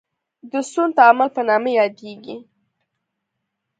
د سون تعامل په نامه یادیږي.